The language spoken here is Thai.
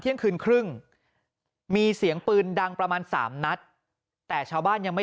เที่ยงคืนครึ่งมีเสียงปืนดังประมาณสามนัดแต่ชาวบ้านยังไม่